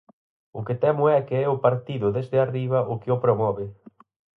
O que temo é que é o partido desde arriba o que o promove.